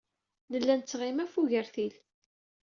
Nella nettɣima ɣef ugertil.